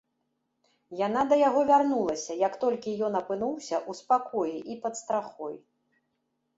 Яна да яго вярнулася, як толькі ён апынуўся ў спакоі і пад страхой.